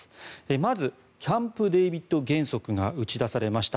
まず、キャンプデービッド原則が打ち出されました。